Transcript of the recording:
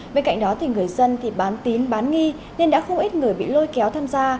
bên cạnh đó người dân thì bán tín bán nghi nên đã không ít người bị lôi kéo tham gia